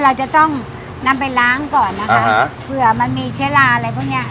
เราจะต้องนำไปล้างก่อนนะคะเผื่อมันมีเชื้อราอะไรพวกเนี้ย